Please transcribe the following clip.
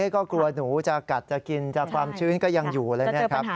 ก็กลัวหนูจะกัดจะกินความชีวิตก็ยังอยู่เลย